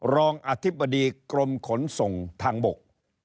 รองอธิบดีกรมขนส่งทางบก